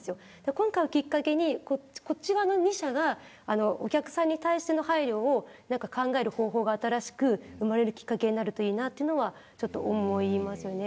今回をきっかけに、この２者がお客さんに対しての配慮を考える方法が新しく生まれるきっかけになるといいなというのは思いますね。